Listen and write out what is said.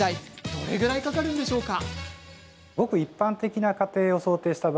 どれくらいかかるんでしょうか。